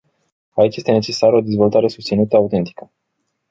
Aici este necesară o dezvoltare susținută autentică.